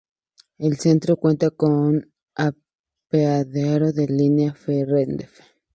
El centro cuenta con apeadero de la línea Feve-Renfe.